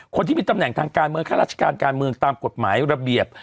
คนที่มีตำแหน่งทางการเมืองข้าราชการการเมืองตามกฎหมายระเบียบ